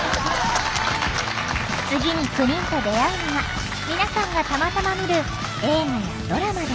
次に９人と出会うのが皆さんがたまたま見る映画やドラマでありますように